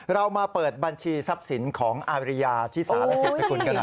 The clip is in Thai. เรามาเปิดบัญชีทรัพย์สินของอารีญาที่สาธิตร์เจคุณหน่อยนะฮะ